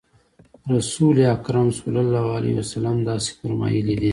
رسول اکرم صلی الله علیه وسلم داسې فرمایلي دي.